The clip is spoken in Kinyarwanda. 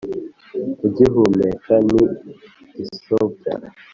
ugihumeka ni gisobya